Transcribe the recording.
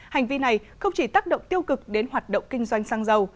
hành vi này không chỉ tác động tiêu cực đến hoạt động kinh doanh xăng dầu